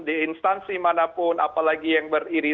di instansi manapun apalagi yang beriringan